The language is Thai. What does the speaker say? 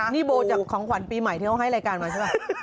นี่โบจากของขวัญปีใหม่ที่เขาให้รายการมาใช่ไหม